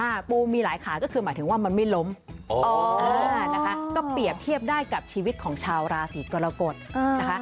ปูมีหลายขาก็คือหมายถึงว่ามันไม่ล้มอ๋อเออนะคะก็เปรียบเทียบได้กับชีวิตของชาวราศีกรกฎนะคะ